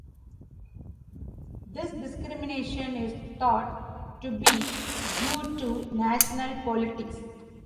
This discrimination is thought to be due to national politics.